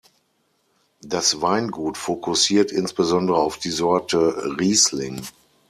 Das Weingut fokussiert insbesondere auf die Sorte Riesling.